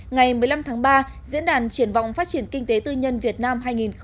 ngày một mươi năm tháng ba diễn đàn triển vọng phát triển kinh tế tư nhân việt nam hai nghìn hai mươi